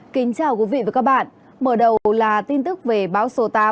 kính chào quý vị và các bạn mở đầu là tin tức về báo số tám